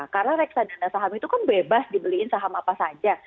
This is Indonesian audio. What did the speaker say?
karena reksadana saham itu kan bebas dibeliin saham apa saja